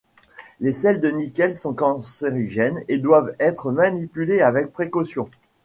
Les sels de nickel sont cancérogènes et doivent être manipulés avec précaution.